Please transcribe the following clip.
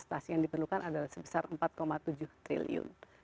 investasi yang diperlukan adalah sebesar empat tujuh triliun